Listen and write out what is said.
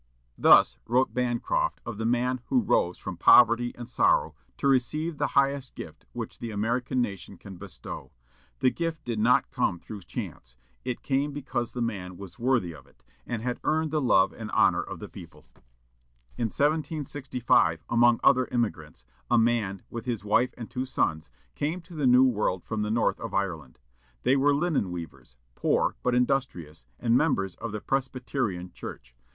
Thus wrote Bancroft of the man who rose from poverty and sorrow to receive the highest gift which the American nation can bestow. The gift did not come through chance; it came because the man was worthy of it, and had earned the love and honor of the people. In 1765, among many other emigrants, a man, with his wife and two sons, came to the new world from the north of Ireland. They were linen weavers, poor, but industrious, and members of the Presbyterian Church.